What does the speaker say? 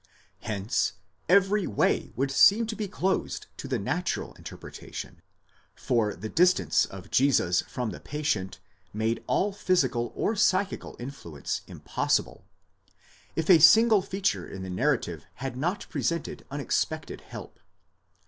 Hence every way would seem to be closed to the natural interpretation (for the distance of Jesus from the patient made all physical or psychical influence impossible), if a single feature in the narrative had not presented unexpected help.